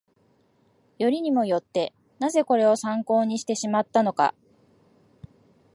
よりにもよって、なぜこれを参考にしてしまったのか